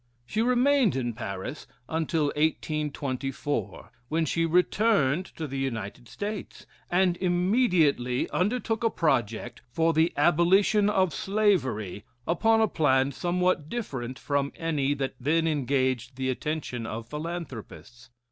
She remained in Paris until 1824, when she returned to the United States, and immediately undertook a project for the abolition of slavery upon a plan somewhat different from any that then engaged the attention of philanthropists.